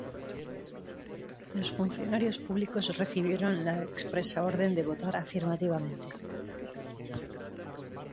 Los funcionarios públicos recibieron la expresa orden de votar afirmativamente.